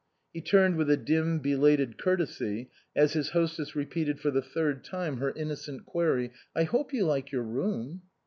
He turned with a dim, belated courtesy as his hostess repeated for the third time her innocent query, " I hope you like your room?"